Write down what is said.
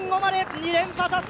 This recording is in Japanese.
２連覇達成。